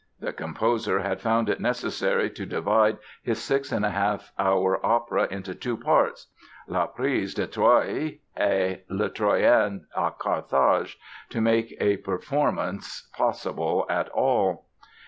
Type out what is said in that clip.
The composer had found it necessary to divide his six and a half hour opera into two parts—"La Prise de Troie" and "Les Troyens à Carthage"—to make a performance possible at all.